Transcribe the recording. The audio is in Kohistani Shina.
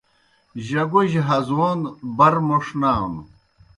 جگوجیْ ہزون بر موْݜ نانوْ۔